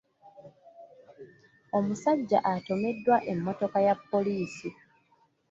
Omusajja atomeddwa emmotoka ya poliisi.